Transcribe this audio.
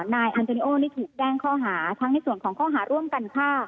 นายอันเดโอนี่ถูกแจ้งข้อหาทั้งในส่วนของข้อหาร่วมกันฆ่า